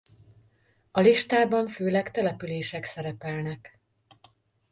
A listában főleg települések szerepelnek.